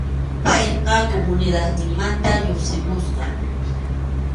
Payqa comunidadninmanta lluqsimusqa.